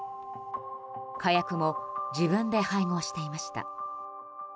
火薬も自分で配合していました。